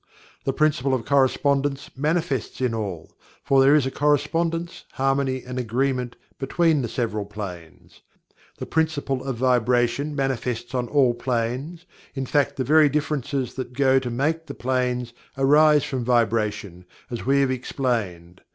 The Principle of Correspondence manifests in all, for there is a correspondence, harmony and agreement between the several planes. The Principle of Vibration manifests on all planes, in fact the very differences that go to make the "planes" arise from Vibration, as we have explained.